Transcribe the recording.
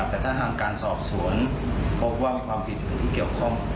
แต่ถ้าทางการสอบสวนพบว่ามีความผิดอื่นที่เกี่ยวข้อง